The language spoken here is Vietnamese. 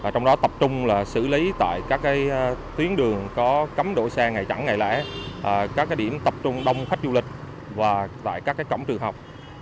trong đó tập trung xử lý tại các tuyến đường có cấm đổi xe ngày chẳng ngày lẽ các điểm tập trung đông khách du lịch và tại các cổng trường học